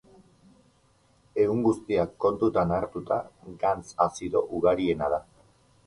Ehun guztiak kontutan hartuta gantz azido ugariena da.